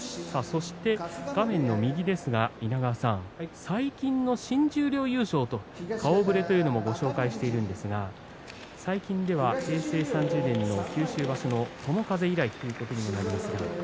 そして画面の右稲川さん、最近の新十両優勝という顔ぶれを紹介していますが最近では平成３０年の九州場所の友風以来ということになります。